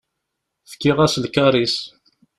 Fkiɣ-as lkaṛ-is.